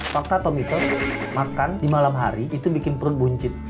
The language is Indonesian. fakta tomika makan di malam hari itu bikin perut buncit